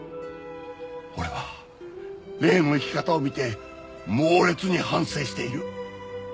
俺は麗の生き方を見て猛烈に反省している。